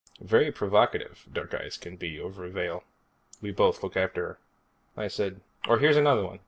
Very provocative, dark eyes can be over a veil. We both looked after her. I said, "Or, here's another one.